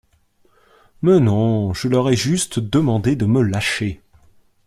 Meuh non. Je leur ai juste demandé de me lâcher.